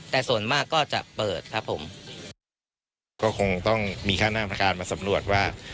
แต่ส่วนมากก็จะเปิดครับผมก็คงต้องมีคณะกรรมการมาสำรวจว่า